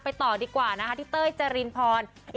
ต่อดีกว่านะคะพี่เต้ยจรินพร